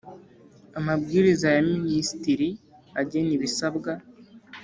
Amabwiriza ya Minisitiri agena ibisabwa